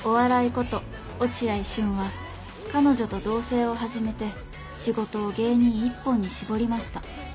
こと落合瞬は彼女と同棲を始めて仕事を芸人１本に絞りました